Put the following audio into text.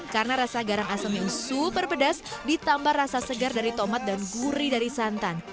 karena rasa garang asem yang super pedas ditambah rasa segar dari tomat dan gurih dari santan